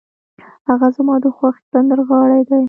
هغه زما د خوښې سندرغاړی دی.